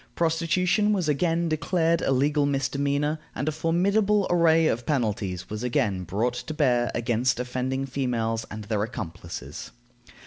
Prostitution was again declared a legal misdemeanor, and a formidable array of penalties was again brought to bear against offending females and their accomplices.